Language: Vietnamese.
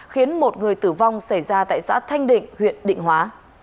khiến một người tử vong xảy ra tại xã thanh định huyện định hóa